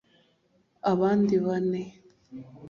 abandi ane